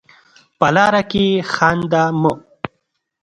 په لاره کې خانده مه.